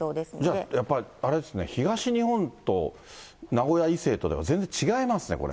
じゃあやっぱりあれですね、東日本と名古屋以西とでは全然違いですね、これ。